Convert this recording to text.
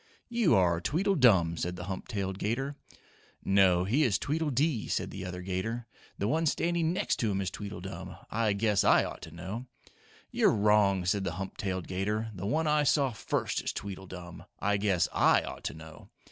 "You are Tweedledum," said the hump tailed 'gator. "No, he is Tweedledee," said the other 'gator. "The one standing next to him is Tweedledum. I guess I ought to know!" "You're wrong," said the hump tailed 'gator. "The one I saw first is Tweedledum. I guess I ought to know!"